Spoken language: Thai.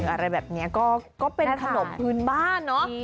อะไรแบบนี้ก็เป็นขนมพื้นบ้านเนอะ